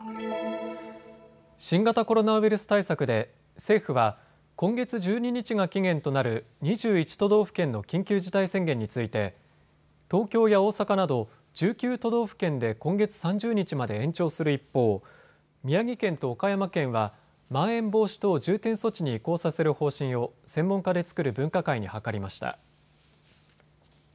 新型コロナウイルス対策で政府は今月１２日が期限となる２１都道府県の緊急事態宣言について東京や大阪など１９都道府県で今月３０日まで延長する一方、宮城県と岡山県はまん延防止等重点措置に移行させる方針を専門家で作る分科会に諮りました。